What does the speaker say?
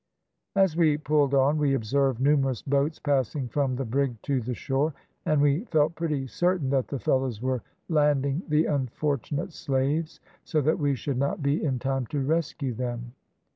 As we pulled on, we observed numerous boats passing from the brig to the shore, and we felt pretty certain that the fellows were landing the unfortunate slaves, so that we should not be in time to rescue them.